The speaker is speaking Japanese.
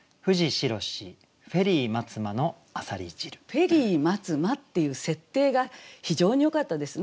「フェリー待つ間」っていう設定が非常によかったですね。